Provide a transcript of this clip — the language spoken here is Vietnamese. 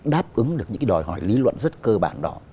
đáp ứng được những cái đòi hỏi lý luận rất cơ bản đó